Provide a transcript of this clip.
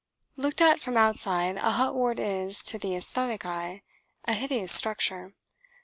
Looked at from outside, a hut ward is to the æsthetic eye a hideous structure.